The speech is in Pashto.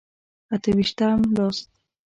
اته ویشتم لوست.